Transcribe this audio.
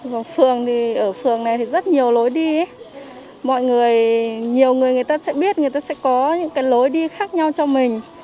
và phường thì ở phường này thì rất nhiều lối đi mọi người nhiều người người ta sẽ biết người ta sẽ có những cái lối đi khác nhau cho mình